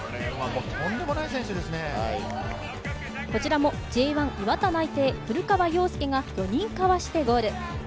こちらもＪ１・磐田内定、古川陽介が４人かわしてゴール。